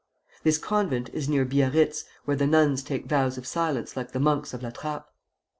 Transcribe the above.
This convent is near Biarritz, where the nuns take vows of silence like the monks of La Trappe.